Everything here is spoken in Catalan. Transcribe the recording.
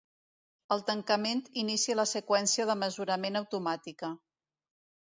El tancament inicia la seqüència de mesurament automàtica.